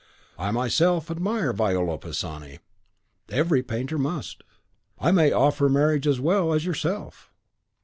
"I myself admire Viola Pisani." "Every painter must!" "I may offer her marriage as well as yourself."